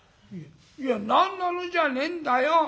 「いや何なのじゃねえんだよ。